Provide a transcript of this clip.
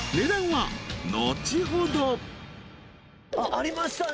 ありましたね。